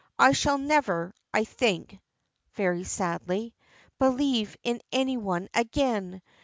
I shall never, I think," very sadly, "believe in any one again.